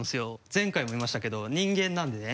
前回も言いましたけど人間なんでね